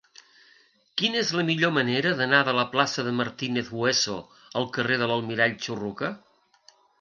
Quina és la millor manera d'anar de la plaça de Martínez Hueso al carrer de l'Almirall Churruca?